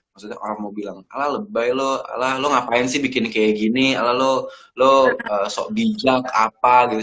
maksudnya orang mau bilang alah lebay lo a lah lo ngapain sih bikin kayak gini ala lo lo sok bijak apa gitu